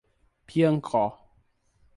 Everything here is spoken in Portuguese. Piancó